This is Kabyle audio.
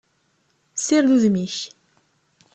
Sired udem-ik!